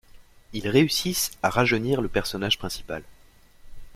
Ils réussissent à rajeunir le personnage principal.